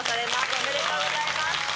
おめでとうございます。